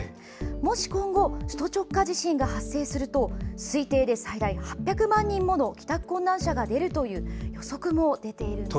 もし今後首都直下地震が発生すると推定で最大８００万人もの帰宅困難者が出るという予測も出ているんです。